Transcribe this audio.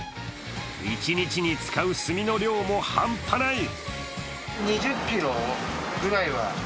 一日に使う炭の量も半端ない！